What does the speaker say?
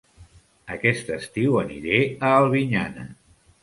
Aquest estiu aniré a Albinyana